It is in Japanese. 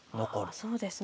ああそうですね。